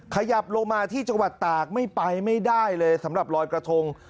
ขยับลงมาที่จังหวัดตากไม่ไปไม่ได้เลยสำหรับลอยกระทง